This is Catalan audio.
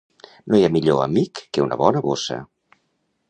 No hi ha millor amic que una bona bossa.